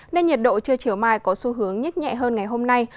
nên nhiệt độ trưa chiều mai có xu hướng nhích nhẹ hơn ngày hôm nay